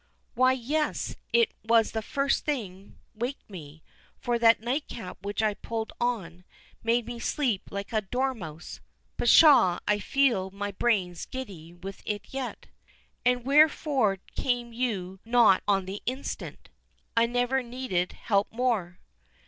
"Why, yes, it was the first thing waked me—for that nightcap which I pulled on, made me sleep like a dormouse—Pshaw, I feel my brains giddy with it yet." "And wherefore came you not on the instant?—I never needed help more."